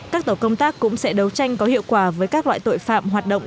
các tổ công tác cũng sẽ đấu tranh có hiệu quả với các loại tội phạm hoạt động